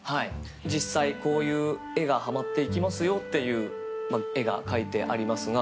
実際こういう絵がはまって行きますよっていう絵が描いてありますが。